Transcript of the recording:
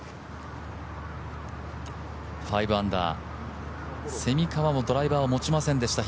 ５アンダー、蝉川もドライバーを持ちませんでした。